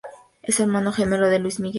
Es hermano gemelo de Luis Miguel.